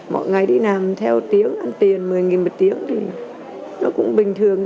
mỗi ngày đi làm theo tiếng ăn tiền một mươi một tiếng thì nó cũng bình thường